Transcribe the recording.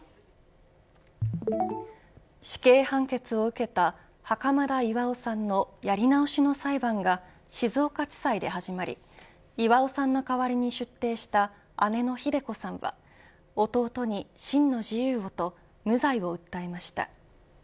死刑判決を受けた袴田巌さんのやり直しの裁判が静岡地裁で始まり巌さんの代わりに出廷した姉のひで子さんは弟に真の自由をと無罪を訴えました。